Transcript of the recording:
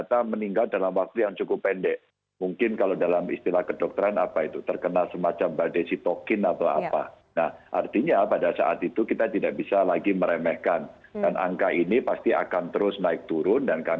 selamat sore mbak rifana